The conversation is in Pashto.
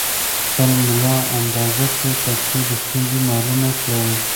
خپل ملا اندازه کړئ ترڅو د ستونزې معلومه کړئ.